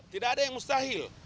tidak ada yang mustahil